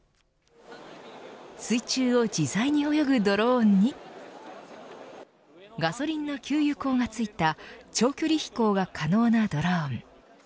水中を自在に泳ぐドローンにガソリンの給油口がついた長距離飛行が可能なドローン。